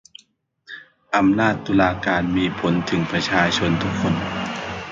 อำนาจตุลาการมีผลถึงประชาชนทุกคน